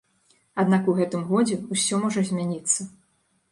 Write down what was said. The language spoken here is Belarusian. Аднак у гэтым годзе ўсё можа змяніцца.